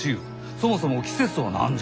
そもそも季節とは何じゃ？